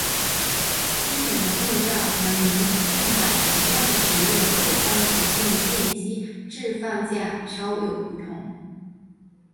基本的构造和民用版一样只有后方无线电机置放架稍有不同。